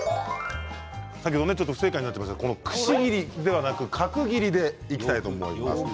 先ほど不正解になっていましたがくし切りではなく角切りでいきたいと思います。